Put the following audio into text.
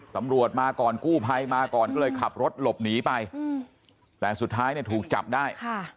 ตำรวจมาก่อนกู้ภัยมาก่อนก็เลยขับรถหลบหนีไปแต่สุดท้ายเนี่ยถูกจับได้